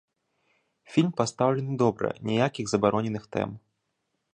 Фільм пастаўлены добра, ніякіх забароненых тэм.